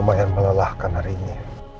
lumayan melelahkan hari ini